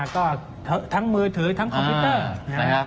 ก็ทั้งมือถือทั้งคอมพิวเตอร์